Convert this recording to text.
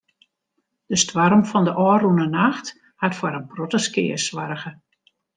De stoarm fan de ôfrûne nacht hat foar in protte skea soarge.